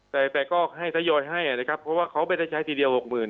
แต่ก็ให้ทยอยให้นะครับเพราะว่าเขาไม่ได้ใช้ทีเดียวหกหมื่น